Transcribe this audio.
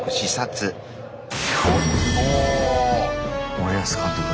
森保監督。